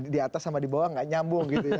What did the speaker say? di atas sama di bawah nggak nyambung gitu ya